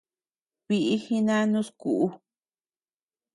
Bíʼi jinanus kuʼu.